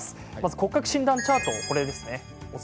骨格診断チャートです。